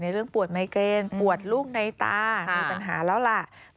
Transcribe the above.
เรื่องปวดไมเกณฑ์ปวดลูกในตามีปัญหาแล้วล่ะ